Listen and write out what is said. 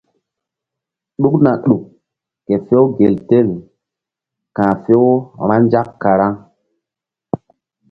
Ɗukna ɗuk ke few gel tel ka̧h few-vba nzak karaŋ.